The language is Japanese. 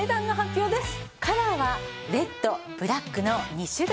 カラーはレッドブラックの２種類です。